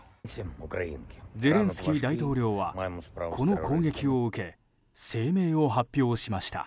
ゼレンスキー大統領はこの攻撃を受け声明を発表しました。